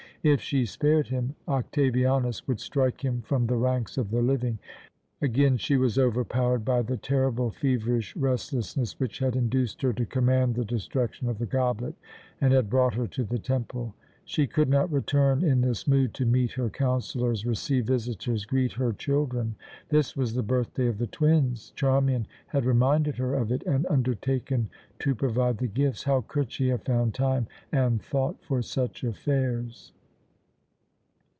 If she spared him, Octavianus would strike him from the ranks of the living, and she Again she was overpowered by the terrible, feverish restlessness which had induced her to command the destruction of the goblet, and had brought her to the temple. She could not return in this mood to meet her councillors, receive visitors, greet her children. This was the birthday of the twins; Charmian had reminded her of it and undertaken to provide the gifts. How could she have found time and thought for such affairs?